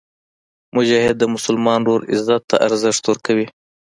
مجاهد د مسلمان ورور عزت ته ارزښت ورکوي.